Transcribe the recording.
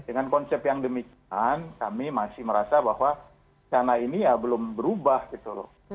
dengan konsep yang demikian kami masih merasa bahwa sana ini ya belum berubah gitu loh